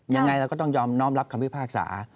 ยังไงเราก็ต้องยอมน้อมรับคำพิพากษา